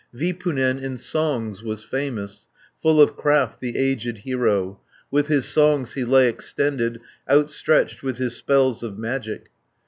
Vipunen in songs was famous, Full of craft the aged hero; With his songs he lay extended, Outstretched with his spells of magic.